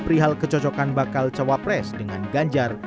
perihal kecocokan bakal cawapres dengan ganjar